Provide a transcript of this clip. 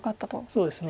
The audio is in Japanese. そうですね。